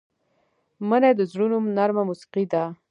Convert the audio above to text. مني د زړونو نرمه موسيقي ده